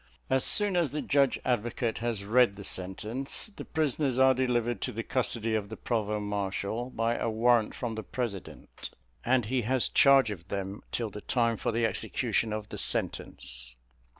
As soon as the judge advocate has read the sentence, the prisoners are delivered to the custody of the provost marshal, by a warrant from the president, and he has charge of them till the time for the execution of the sentence.